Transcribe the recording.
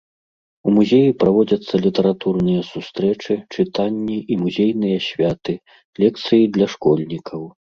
У музеі праводзяцца літаратурныя сустрэчы, чытанні і музейныя святы, лекцыі для школьнікаў.